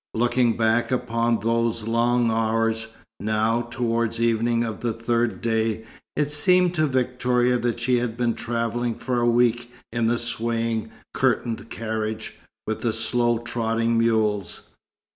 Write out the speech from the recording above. Looking back upon those long hours, now, towards evening of the third day, it seemed to Victoria that she had been travelling for a week in the swaying, curtained carriage, with the slow trotting mules.